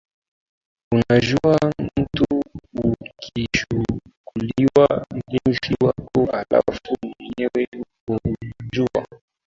unajua mtu ukichukuliwa mpenzi wako halafu mwenyewe uko unajua sasa ni vitu matatizo